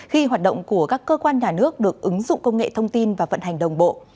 khi hoạt động của các cơ quan nhà nước được ứng dụng công nghệ thông tin và vận hành đồng bộ